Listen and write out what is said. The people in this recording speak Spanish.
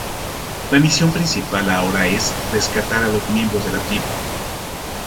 La misión principal ahora es rescatar a los miembros de la tribu.